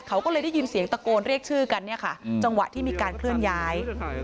เขาก็เลยได้ยินเสียงตะโกนเรียกชื่อกันเนี่ยค่ะจังหวะที่มีการเคลื่อนย้าย